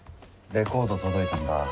レコード届いたんだ